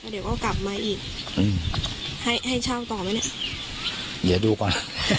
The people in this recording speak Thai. เดี๋ยวก็กลับมาอีกอืมให้ให้เช่าต่อไหมเนี่ยเดี๋ยวดูก่อน